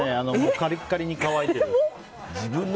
カリッカリに乾いてる。